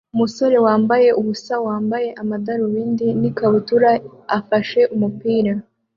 umusore wambaye ubusa wambaye amadarubindi n ikabutura afashe umupira